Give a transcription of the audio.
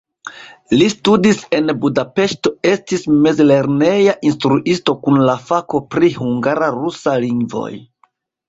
Li studis en Budapeŝto, estis mezlerneja instruisto kun la fako pri hungara-rusa lingvoj.